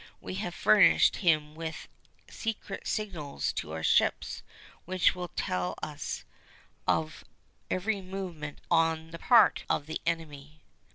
We have furnished him with secret signals to our ships, which will tell us of every movement on the part of the enemy."